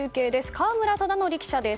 河村忠徳記者です。